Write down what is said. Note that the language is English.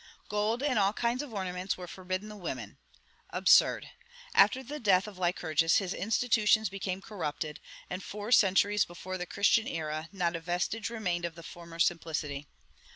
"Gold and all kinds of ornaments were forbidden the women." Absurd. After the death of Lycurgus, his institutions became corrupted; and four centuries before the Christian era not a vestige remained of the former simplicity.